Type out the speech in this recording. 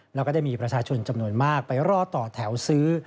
แล้วก็ได้มีประชาชนจำนวนมากไปรอต่อแถวซื้อ